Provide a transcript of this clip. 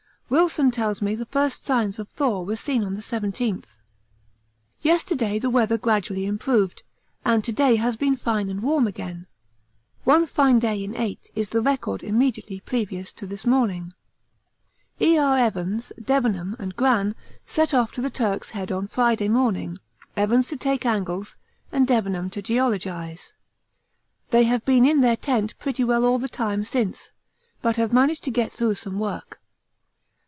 Wilson tells me the first signs of thaw were seen on the 17th. Yesterday the weather gradually improved, and to day has been fine and warm again. One fine day in eight is the record immediately previous to this morning. E.R. Evans, Debenham, and Gran set off to the Turk's Head on Friday morning, Evans to take angles and Debenham to geologise; they have been in their tent pretty well all the time since, but have managed to get through some work.